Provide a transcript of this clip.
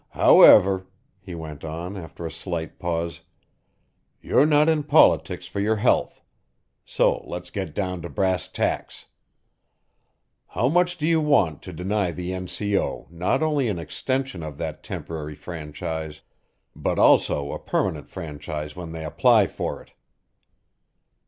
However," he went on after a slight pause, "you're not in politics for your health; so let's get down to brass tacks. How much do you want to deny the N.C.O. not only an extension of that temporary franchise but also a permanent franchise when they apply for it?"